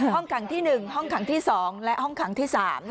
ห้องขังที่๑ห้องขังที่๒และห้องขังที่๓